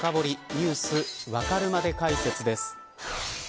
Ｎｅｗｓわかるまで解説です。